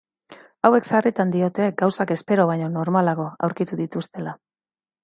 Hauek sarritan diote gauzak espero baino normalago aurkitu dituztela.